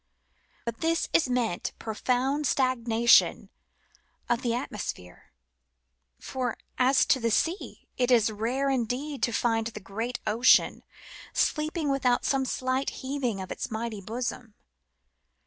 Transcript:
By this is meant profound stagnation of the atmosphere ; for, as to the sea, it is rare indeed to find the great ocean sleeping without some slight heaving of its mighty bosom.